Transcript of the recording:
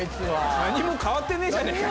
何も変わってねぇじゃねぇか。